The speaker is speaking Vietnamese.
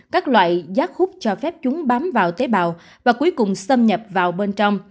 các loại giác hút cho phép chúng bám vào tế bào và cuối cùng xâm nhập vào bên trong